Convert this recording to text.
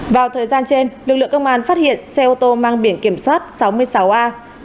vào thời gian trên lực lượng công an phát hiện xe ô tô mang biển kiểm soát sáu mươi sáu a một mươi bảy nghìn bốn trăm sáu mươi